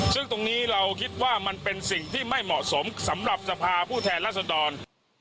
ซึ่งตรงนี้เราคิดว่ามันเป็นสิ่งที่ไม่เหมาะสมสำหรับสภาผู้แทนรัศดร